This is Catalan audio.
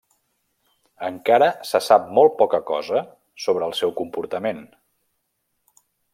Encara se sap molt poca cosa sobre el seu comportament.